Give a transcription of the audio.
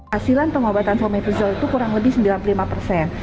hasilan pengobatan fomepizol itu kurang lebih sembilan puluh lima persen